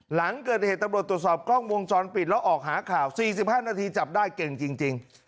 หลังเกิดเหตุตำรวจตรวจสอบกล้องวงจรปิดแล้วออกหาข่าว๔๕นาทีจับได้เก่งจริง